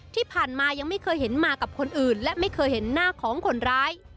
ที่ผ่านมายังไม่เคยเห็นมากับคนอื่นและไม่เคยเห็นหน้าของคนร้าย